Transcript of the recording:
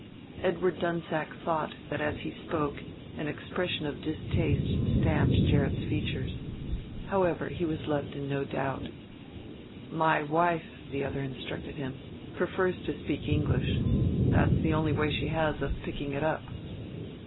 Edward Dunsack thought that as he spoke an expression of distaste stamped Gerrit's features. However, he was left in no doubt: "My wife," the other instructed him, "prefers to speak English. That is the only way she has of picking it up."